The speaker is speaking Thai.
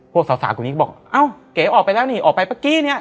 พวกสาวกลุ่มนี้ก็บอกเอ้าเก๋ออกไปแล้วนี่ออกไปเมื่อกี้เนี่ย